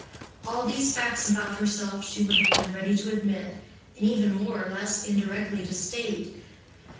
All these facts about herself she would have been ready to admit, and even, more or less indirectly, to state.